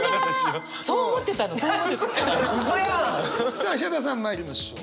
さあヒャダさんまいりましょう。